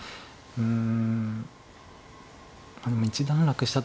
うん。